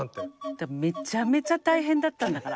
だからめちゃめちゃ大変だったんだから。